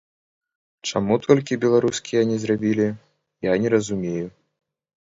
Чаму толькі беларускія не зрабілі, я не разумею.